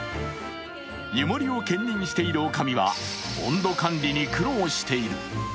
湯守を兼任している女将は温度管理に苦労している。